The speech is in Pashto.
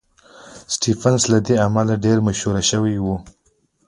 سټېفنس له دې امله ډېر مشهور شوی و.